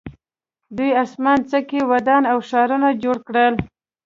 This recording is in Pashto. دوی اسمان څکې ودانۍ او ښارونه جوړ کړل.